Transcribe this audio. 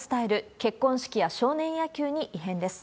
結婚式や少年野球に異変です。